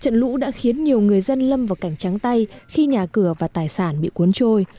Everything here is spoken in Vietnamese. trận lũ đã khiến nhiều người dân lâm vào cảnh trắng tay khi nhà cửa và tài sản bị cuốn trôi